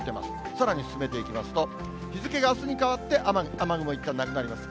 さらに進めていきますと、日付があすに変わって、雨雲いったんなくなります。